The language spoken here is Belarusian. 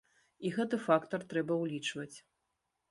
І гэты фактар трэба ўлічваць.